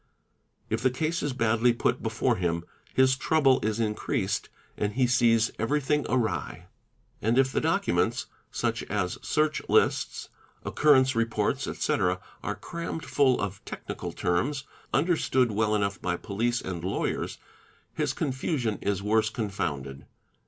If the case is badly put before him, his trouble is increased and he sees ev erything awry. _ And if the documents, such as search lists, occurrence reports, etc., are crammed full of technical terms—understood well enough by police and lawyers—his confusion is worse confounded.